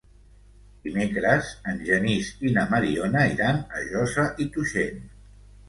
Dimecres en Genís i na Mariona iran a Josa i Tuixén.